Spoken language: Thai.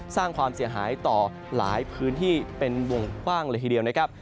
สร้างความเสียหายต่อหลายพื้นที่เป็นวงกว้างเลยทีเดียวนะครับ